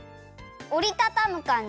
おりたたむかんじ？